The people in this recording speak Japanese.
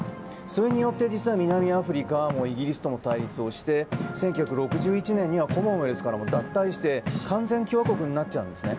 それによって、南アフリカはイギリスとも対立をして１９６１年にはコモンウェルスからも脱退して完全共和国になっちゃうんですね。